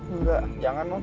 enggak jangan nan